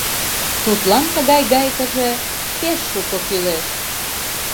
Тудлан тыгай гайкыже пеш шуко кӱлеш.